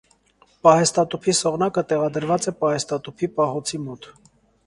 Պահեստատուփի սողնակը տեղադրված է պահեստատուփի պահոցի մոտ։